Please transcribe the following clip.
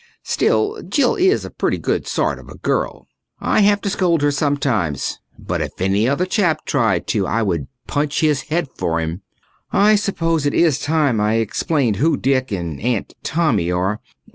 Still, Jill is a pretty good sort of girl. I have to scold her sometimes, but if any other chap tried to I would punch his head for him. I suppose it is time I explained who Dick and Aunt Tommy are.